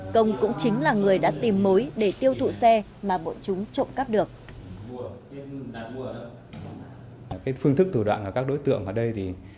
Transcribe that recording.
công cũng chính là người đã tìm mối để tiêu thụ xe mà bọn chúng trộm cắp được